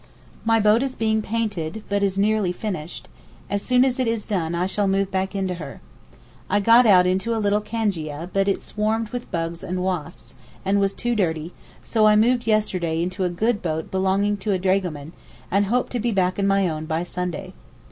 My boat is being painted, but is nearly finished; as soon as it is done I shall move back into her. I got out into a little cangia but it swarmed with bugs and wasps, and was too dirty, so I moved yesterday into a good boat belonging to a dragoman, and hope to be back in my own by Sunday.